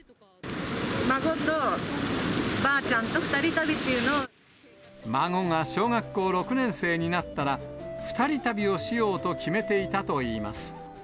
孫とばーちゃんと２人旅って孫が小学校６年生になったら、２人旅をしようと決めていたといいます。